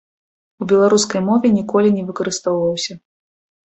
У беларускай мове ніколі не выкарыстоўваўся.